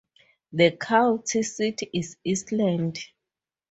The county seat is Eastland.